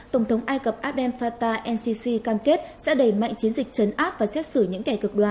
tổng thống ai cập abdel fattah el sisi cam kết sẽ đẩy mạnh chiến dịch chấn áp và xét xử những kẻ cực đoan